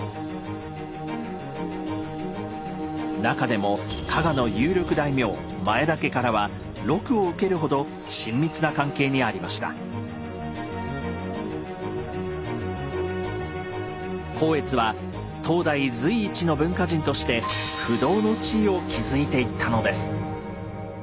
なかでも加賀の有力大名前田家からは禄を受けるほど光悦は当代随一の文化人として不動の地位を築いていったのです。